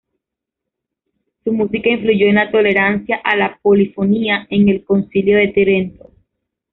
Su música influyó en la tolerancia a la polifonía en el Concilio de Trento.